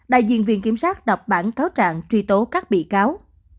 đại diện viện kiểm sát đọc bản cáo trạng truy tố các bị cáo